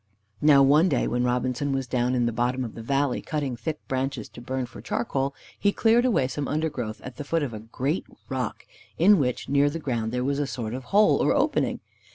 Now one day when Robinson was down in the bottom of the valley, cutting thick branches to burn for charcoal, he cleared away some undergrowth at the foot of a great rock, in which, near the ground, there was a sort of hole, or opening.